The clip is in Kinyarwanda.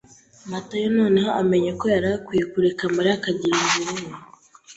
Matayo noneho amenye ko yari akwiye kureka Mariya akagira inzira ye.